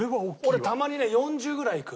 俺たまにね４０ぐらいいく。